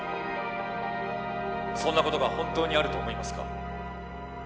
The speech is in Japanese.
そんな事が本当にあると思いますか？